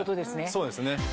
そうですね。